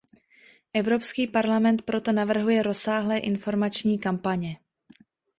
Evropský parlament proto navrhuje rozsáhlé informační kampaně.